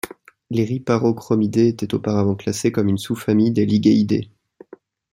Les Rhyparochromidae étaient auparavant classés comme une sous-famille de Lygaeidae.